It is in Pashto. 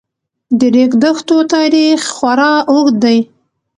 د ریګ دښتو تاریخ خورا اوږد دی.